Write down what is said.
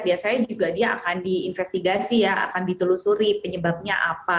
biasanya juga dia akan diinvestigasi ya akan ditelusuri penyebabnya apa